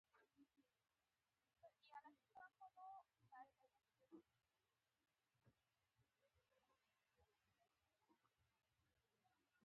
د سرو غرونو کیسه د زړورتیا نښه ده.